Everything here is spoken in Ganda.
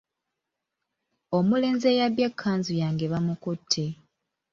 Omulenzi eyabbye ekkanzu yange bamukutte.